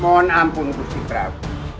mohon ampun gusti prabu